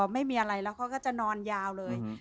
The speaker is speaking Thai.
ไม่มีอะไรแล้วเขาก็จะนอนยาวเลย